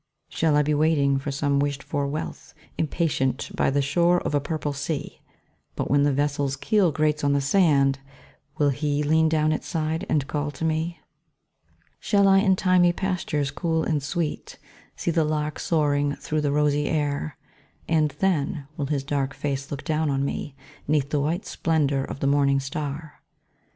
Shall I be waiting for some wished for wealth, Impatient, by the shore of a purple sea? But when the vessel's keel grates on the sand, Will HE lean down its side and call to me? Shall I in thymy pastures cool and sweet See the lark soaring through the rosy air? Ah, then, will his dark face look down on me, 'Neath the white splendor of the morning star.